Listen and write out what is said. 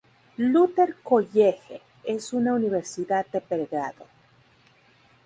Luther College es una universidad de pregrado.